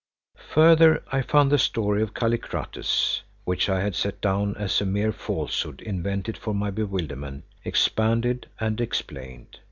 Further, I found the story of Kallikrates, which I had set down as a mere falsehood invented for my bewilderment, expanded and explained.